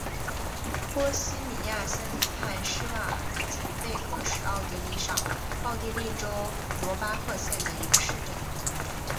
波希米亚森林畔施瓦尔岑贝格是奥地利上奥地利州罗巴赫县的一个市镇。